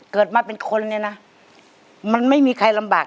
เกิดมาเป็นคนมันไม่มีใครลำบาก